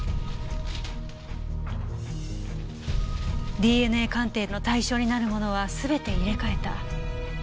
ＤＮＡ鑑定の対象になるものはすべて入れ替えた。